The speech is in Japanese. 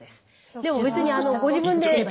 でも別にご自分で。